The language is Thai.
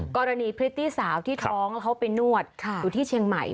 กรณีพริตตี้สาวที่ท้องแล้วเขาไปนวดอยู่ที่เชียงใหม่